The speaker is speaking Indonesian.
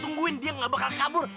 ditungguin dia nggak bakal kabur